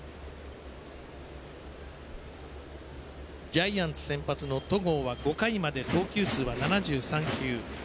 ジャイアンツ先発の戸郷は５回まで投球数は７３球。